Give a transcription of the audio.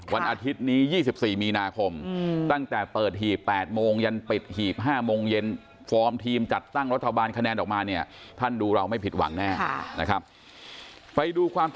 วันอาทิตย์นี้๒๔มีนาคม